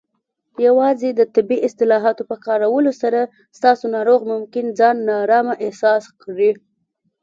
یوازې د طبي اصطلاحاتو په کارولو سره، ستاسو ناروغ ممکن ځان نارامه احساس کړي.